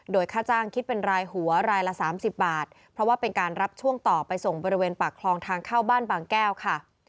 โดยค่าจ้างคิดเป็นรายหัวรายละ๓๐บาทเพราะว่าเป็นการรับช่วงต่อไปส่งบริเวณปากคลองทางเข้าบ้านบางแก้วค่ะ